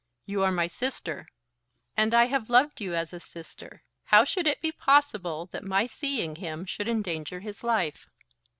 "You are my sister." "And I have loved you as a sister. How should it be possible that my seeing him should endanger his life?"